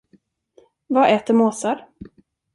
Vad äter måsar?